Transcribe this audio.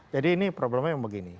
jadi ini problemnya yang begini